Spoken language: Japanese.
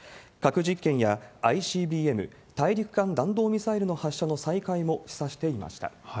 核実験やＩＣＢＭ・大陸間弾道ミサイルの発射の再開も示唆してい